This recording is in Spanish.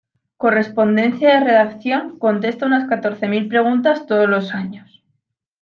Correspondencia de Redacción, contesta unas catorce mil preguntas todos los años.